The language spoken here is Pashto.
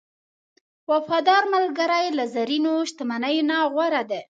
وفادار ملګری له زرینو شتمنیو نه غوره دی.